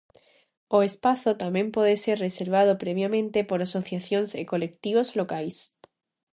O espazo tamén pode ser reservado previamente por asociacións e colectivos locais.